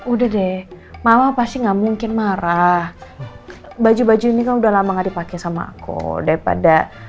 udah deh mama pasti nggak mungkin marah baju baju ini kan udah lama gak dipakai sama aku daripada